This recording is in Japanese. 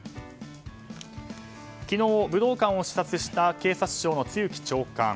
昨日、武道館を視察した警察庁の露木長官。